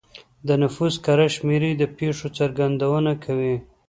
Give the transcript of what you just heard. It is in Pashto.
د نفوس کره شمېر د پېښو څرګندونه کوي.